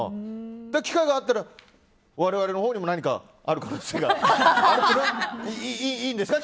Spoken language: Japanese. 機会があったら我々のほうにも何かある可能性が。いいんですか？